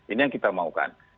ini yang kita mahukan